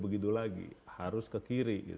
begitu lagi harus ke kiri